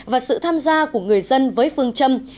và sự tham gia của người dân với phương châm